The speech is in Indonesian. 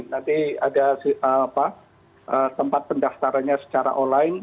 nanti ada tempat pendaftarannya secara online